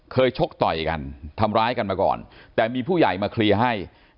ชกต่อยกันทำร้ายกันมาก่อนแต่มีผู้ใหญ่มาเคลียร์ให้